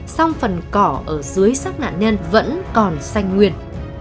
xong phần cỏ ở dưới xác nạn nhân vẫn còn xanh nguyệt